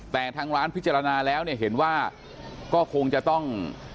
แต่ทางร้านพิจารณาแล้วเนี่ยเห็นว่าก็คงจะต้อง